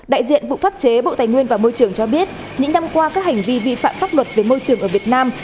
đại diện vụ pháp chế bộ tài nguyên và môi trường cho biết những năm qua các hành vi vi phạm pháp luật về môi trường ở việt nam